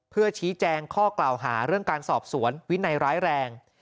เพื่อชี้แจงข้อกล่าวหาเรื่องการสอบสวนวินัยร้ายแรง